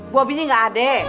bobinya nggak ada